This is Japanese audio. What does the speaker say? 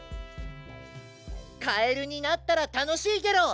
カエルになったらたのしいゲロ。